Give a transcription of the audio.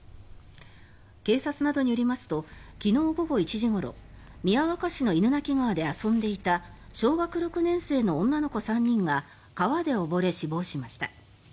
警察などによりますと昨日午後１時ごろ宮若市の犬鳴川で遊んでいた小学６年生の女の子３人が川で溺れ死亡しました。